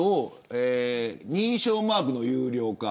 認証マークの有料化。